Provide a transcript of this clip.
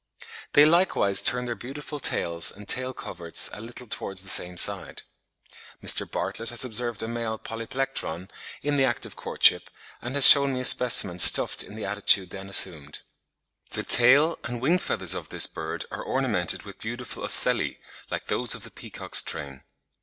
They likewise turn their beautiful tails and tail coverts a little towards the same side. Mr. Bartlett has observed a male Polyplectron (Fig. 51) in the act of courtship, and has shewn me a specimen stuffed in the attitude then assumed. The tail and wing feathers of this bird are ornamented with beautiful ocelli, like those on the peacock's train.